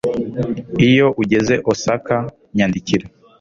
Iyo ugeze Osaka nyandikira